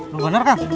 wah bener kan